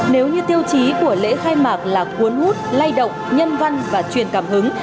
nếu như tiêu chí của lễ khai mạc là cuốn hút lay động nhân văn và truyền cảm hứng